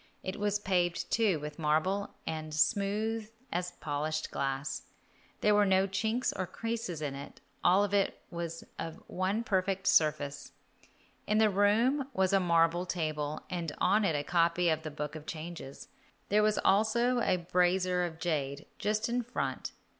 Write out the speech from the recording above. It was paved, too, with marble, and smooth as polished glass. There were no chinks or creases in it, all was of one perfect surface. In the room was a marble table, and on it a copy of the Book of Changes; there was also a brazier of jade just in front.